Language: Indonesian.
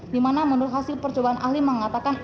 dimana menurut hasil percobaan ahli mengatakan